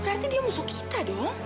berarti dia musuh kita dong